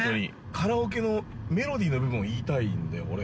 カラオケのメロディーの部分を言いたいんだよ、俺。